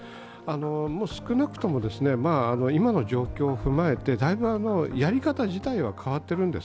少なくとも今の状況を踏まえてだいぶやり方自体は変わってるんです。